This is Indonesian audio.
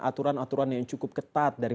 aturan aturan yang cukup ketat dari